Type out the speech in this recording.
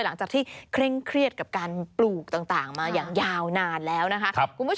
หลังจากที่เคร่งเครียดกับการปลูกต่างมาอย่างยาวนานแล้วนะคะคุณผู้ชม